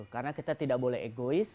karena kita tidak boleh egois